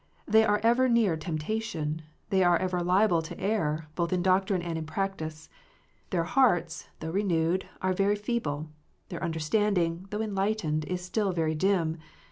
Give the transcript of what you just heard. They are ever near tempta tion : they are ever liable to err, both in doctrine and in practice. Their hearts, though renewed, are very feeble ; their understanding, though enlightened, is still very dim.